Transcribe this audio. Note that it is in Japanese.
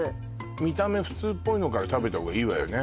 見た目普通っぽいのから食べた方がいいわよね